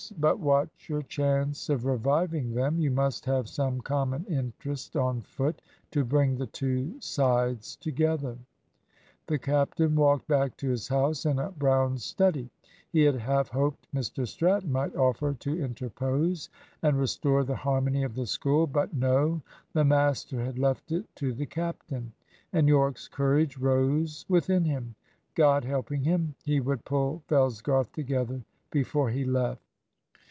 But watch your chance of reviving them. You must have some common interest on foot, to bring the two sides together." The captain walked back to his house in a brown study. He had half hoped Mr Stratton might offer to interpose and restore the harmony of the School. But no, the master had left it to the captain, and Yorke's courage rose within him. God helping him, he would pull Fellsgarth together before he left.